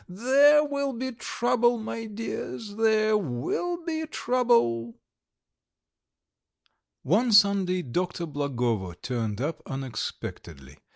There will be trouble, my dears, there will be trouble!" VI One Sunday Dr. Blagovo turned up unexpectedly.